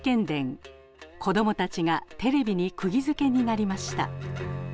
子どもたちがテレビにくぎづけになりました。